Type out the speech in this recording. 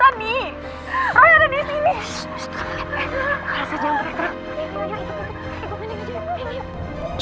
roy ada di sini